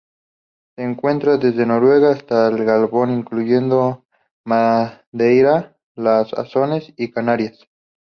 Se encuentra desde Noruega hasta el Gabón, incluyendo Madeira, las Azores y Canarias.